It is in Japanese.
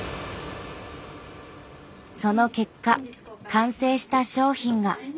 その結果完成した商品が。